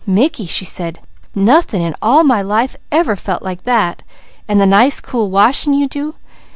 "Mickey," she said, "nothin" in all my life ever felt like that, an' the nice cool washin' you do.